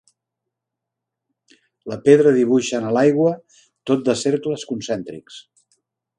La pedra dibuixà en l'aigua tot de cercles concèntrics.